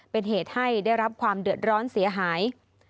เป็นเหตุให้ได้รับความเดือดร้อนเสียหาย